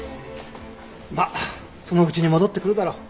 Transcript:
まあそのうちに戻ってくるだろ。